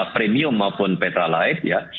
premium maupun petra lite